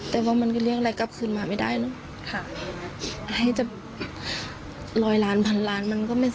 แต่ว่ามันมันเรียงอะไรกลับคืนมาไม่ได้เนาะให้จะรอยลานพันลานมันก็ไม่รู้ตัง